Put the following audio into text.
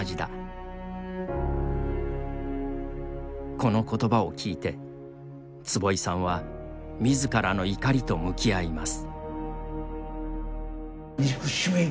このことばを聞いて、坪井さんはみずからの怒りと向き合います。